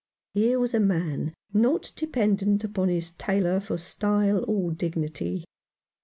Here was a man not dependent upon his tailor for style or dignity.